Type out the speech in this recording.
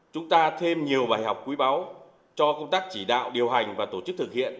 chúng ta thêm nhiều bài học quý báu cho công tác chỉ đạo điều hành và tổ chức thực hiện